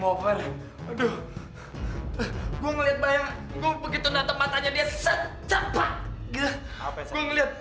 bakalan game over aduh gue ngeliat bayang begitu nata matanya dia cepat gue ngeliat